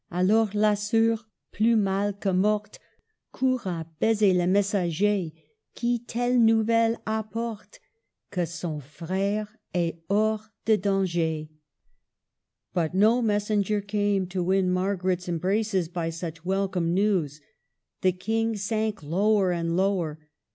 Alors la seur, plus mal que morte, Courra baiser le messaiger Qui telles nouvelles apporte Que son frere est hors de dangler !" But no messenger came to win Margaret's embraces by such welcome news. The King sank lower and lower.